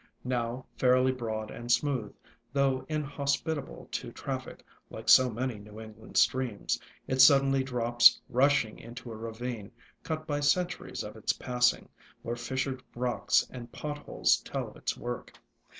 Now fairly broad and smooth, though inhospitable to traffic, like so many New England streams, it sud denly drops rushing into a ravine cut by centuries of its passing, where fissured rocks and pot holes tell of its work.